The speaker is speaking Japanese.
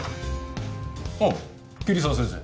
ああ桐沢先生。